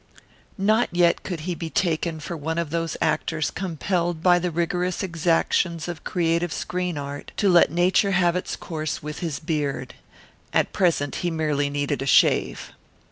Not yet could he be taken for one of those actors compelled by the rigorous exactions of creative screen art to let Nature have its course with his beard. At present he merely needed a shave.